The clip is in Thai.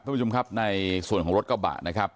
คุณผู้ชมครับในส่วนของรถกระบะนะครับ